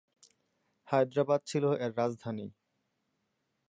হায়দ্রাবাদ ছিল এর রাজধানী।